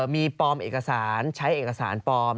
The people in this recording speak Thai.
มีปลอมเอกสารใช้เอกสารปลอม